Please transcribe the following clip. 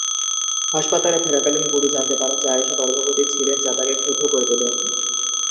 হাসপাতালে থাকাকালীন গুরু জানতে পারেন যে আয়েশা গর্ভবতী ছিলেন যা তাকে ক্ষুব্ধ করে তোলে।